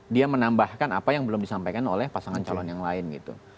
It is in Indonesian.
dia menambahkan apa yang belum disampaikan oleh pasangan calon yang lain gitu